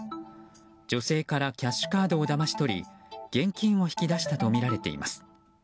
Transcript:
女性からキャッシュカードをだまし取り現金を引き出したとみられています。